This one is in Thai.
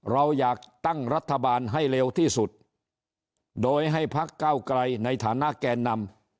เราอยากตั้งรัฐบาลให้เร็วที่สุดโดยให้พักเก้าไกลในฐานะแกนนำ